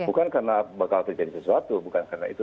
bukan karena bakal terjadi sesuatu bukan karena itu